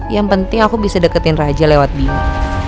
yang penting aku bisa deketin raja lewat bima